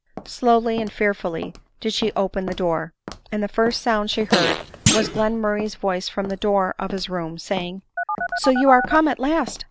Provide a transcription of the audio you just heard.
Slowly and fearfully did she open the door ; and the first sound she heard was Glenmurray's voice from the door of his room, saying, " So you are come at last